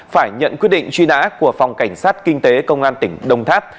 phải nhận quyết định truy nã của phòng cảnh sát kinh tế công an tỉnh đồng tháp